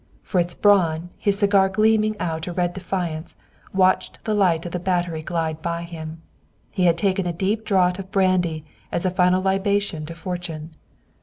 Fritz Braun, his cigar gleaming out a red defiance, watched the light of the Battery glide by him. He had taken a deep draught of brandy as a final libation to Fortune.